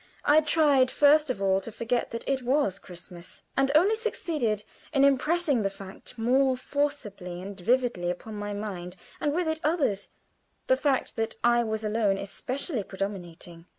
I tried first of all to forget that it was Christmas, and only succeeded in impressing the fact more forcibly and vividly upon my mind, and with it others; the fact that I was alone especially predominating.